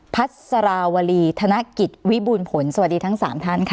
พัสราวรีธนกิจวิบูรณ์ผลสวัสดีทั้ง๓ท่านค่ะ